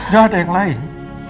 gak ada yang lain